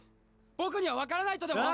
僕には分からないとでも！？